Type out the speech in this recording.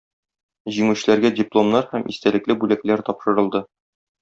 Җиңүчеләргә дипломнар һәм истәлекле бүләкләр тапшырылды.